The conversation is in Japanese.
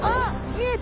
見えた！